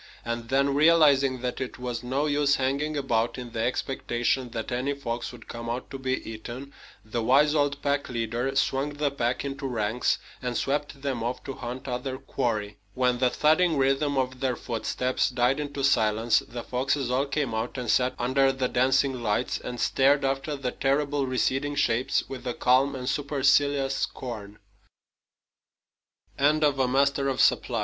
And then, realizing that it was no use hanging about in the expectation that any fox would come out to be eaten, the wise old pack leader swung the pack into ranks and swept them off to hunt other quarry. When the thudding rhythm of their footsteps died into silence, the foxes all came out and sat under the dancing lights, and stared after the terrible recedin